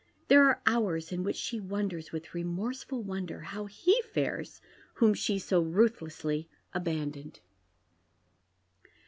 There are hours in which she wonders, "vith re morseful wonder, how he fares whom she so ruthlessly abandoned.